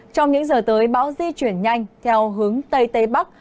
trong những giờ tới bão di chuyển nhanh theo hướng tây tây bắc